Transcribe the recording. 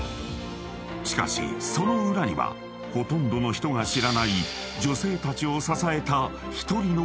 ［しかしその裏にはほとんどの人が知らない女性たちを支えた］